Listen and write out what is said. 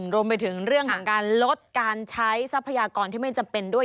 รวมไปถึงเรื่องของการลดการใช้ทรัพยากรที่ไม่จำเป็นด้วย